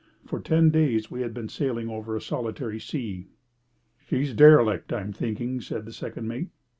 For ten days we had been sailing over a solitary sea. "She's derelict, I'm thinking," said the second mate.